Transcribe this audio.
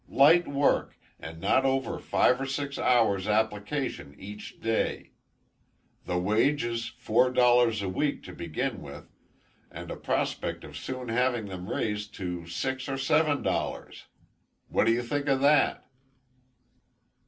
Light work, and not over five or six hours application each day the wages four dollars a week to begin with, and a prospect of soon having them raised to six or seven dollars. What do you think of that?"